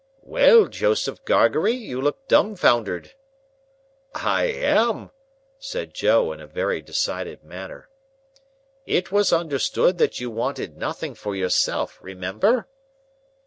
"Well, Joseph Gargery? You look dumbfoundered?" "I am!" said Joe, in a very decided manner. "It was understood that you wanted nothing for yourself, remember?"